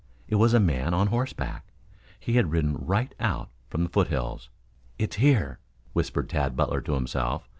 It was a man on horseback. He had ridden right out from the foothills. "It's here," whispered Tad Butler to himself.